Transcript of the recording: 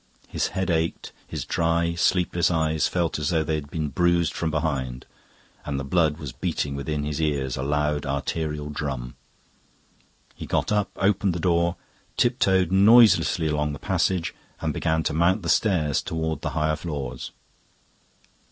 His head ached, his dry, sleepless eyes felt as though they had been bruised from behind, and the blood was beating within his ears a loud arterial drum. He got up, opened the door, tiptoed noiselessly along the passage, and began to mount the stairs towards the higher floors.